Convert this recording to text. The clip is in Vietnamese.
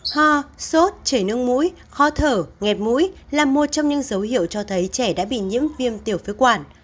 ho sốt chảy nước mũi khó thở nghẹt mũi là một trong những dấu hiệu cho thấy trẻ đã bị nhiễm viêm tiểu phế quản